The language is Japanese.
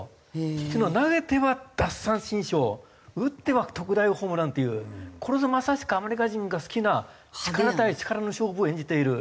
というのは投げては奪三振ショー打っては特大ホームランというこれぞまさしくアメリカ人が好きな力対力の勝負を演じている。